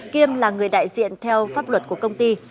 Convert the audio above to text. kiêm là người đại diện theo pháp luật của công ty